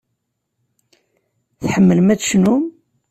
Tḥemmlem ad tecnum?